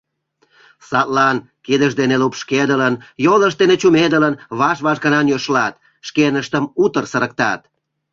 Садлан, кидышт дене лупшкедылын, йолышт дене чумедылын, ваш-ваш гына нӧшлат, шкеныштым утыр сырыктат.